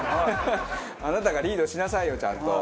あなたがリードしなさいよちゃんと。